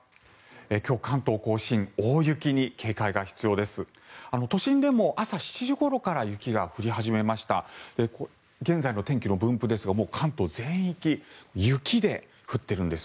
今日、関東・甲信大雪に警戒が必要です。